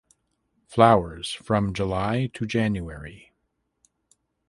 Flowers from July to January.